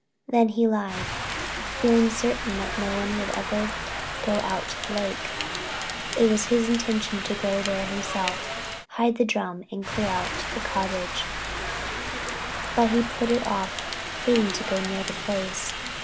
Then he lied, feeling certain that no one would ever go out to the lake. It was his intention to go there himself, hide the drum and clear out the cottage, but he put it off, hating to go near the place.